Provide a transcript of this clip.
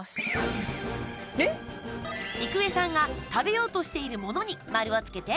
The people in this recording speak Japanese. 郁恵さんが食べようとしているものに丸をつけて！